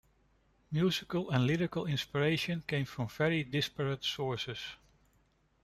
Musical and lyrical inspiration came from very disparate sources.